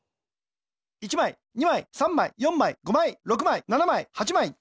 １まい２まい３まい４まい５まい６まい７まい８まい。